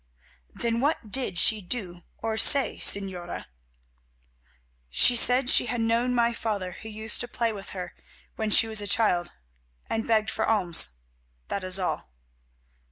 "Then what did she do or say, Señora?" "She said she had known my father who used to play with her when she was a child, and begged for alms, that is all.